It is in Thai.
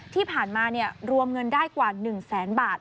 ที่ผ่านมารวมเงินได้กว่า๑แสนบาท